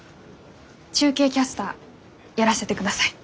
中継キャスターやらせてください。